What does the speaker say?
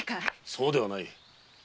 そうではない。